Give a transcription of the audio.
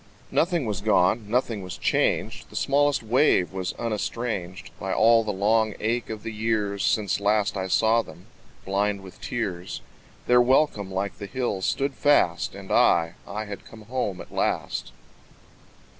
Nothing was gone, nothing was changed, The smallest wave was unestranged By all the long ache of the years Since last I saw them, blind with tears. Their welcome like the hills stood fast: And I, I had come home at last.